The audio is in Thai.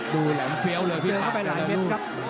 ดูแหลมเฟี้ยวเลยพี่ป่าเจอเข้าไปหลายเม็ดครับ